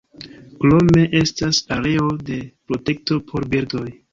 Krome estas areo de protekto por birdoj.